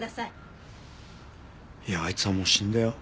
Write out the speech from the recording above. いやあいつはもう死んだよ。